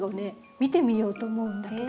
見てみようと思うんだけど。